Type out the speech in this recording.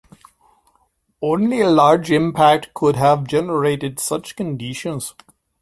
Only a large impact could have generated such conditions.